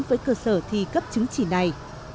với cơ sở thi cấp chứng chỉ này